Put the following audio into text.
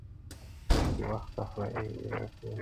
اوس دي وخت دئ د خدایي را رسېدلی -